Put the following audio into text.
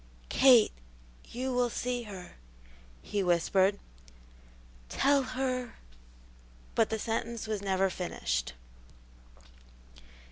"Kate, you will see her," he whispered. "Tell her " but the sentence was never finished.